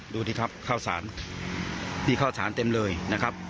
ดูสิครับข้าวสารนี่ข้าวสารเต็มเลยนะครับ